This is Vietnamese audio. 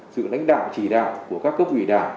sự lãnh đạo chỉ đạo của các cấp ủy đảng